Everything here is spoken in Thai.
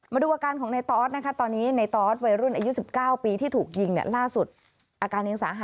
มาดูอาการของนายตอสนะคะ